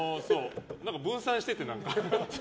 分散してて、何か。